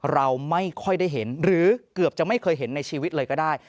เราไม่ค่อยได้เห็นหรือเกือบจะไม่เคยเห็นในชีวิตเลยก็ได้